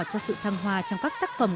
cho sự thăng hoa trong các tác phẩm